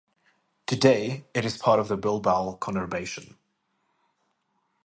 Today it is part of the Bilbao conurbation.